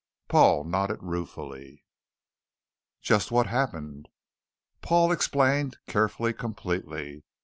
Paul nodded ruefully. "Just what happened?" Paul explained, carefully, completely.